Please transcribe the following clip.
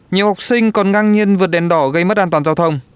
nhiều học sinh còn ngang nhiên vượt đèn đỏ gây mất an toàn giao thông